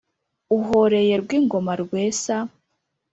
uhoreye rwingoma rwesa,